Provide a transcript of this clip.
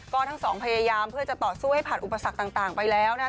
ก็ทั้งสองพยายามเพื่อจะต่อสู้ให้ผ่านอุปสรรคต่างไปแล้วนะ